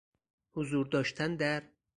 حضور داشتن در